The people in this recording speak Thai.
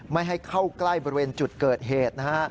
ไม่ให้เข้าใกล้บริเวณจุดเกิดเหตุนะฮะ